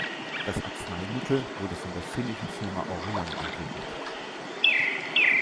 Das Arzneimittel wurde von der finnischen Firma Orion entwickelt.